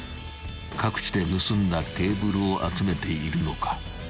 ［各地で盗んだケーブルを集めているのか？］